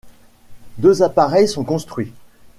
Deux appareils sont construits.